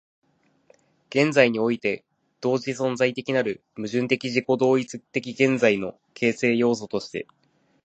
現在において同時存在的なる矛盾的自己同一的現在の形成要素として、